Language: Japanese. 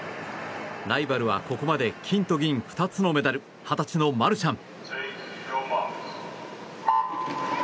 ライバルはここまで金と銀２つのメダル二十歳のマルシャン。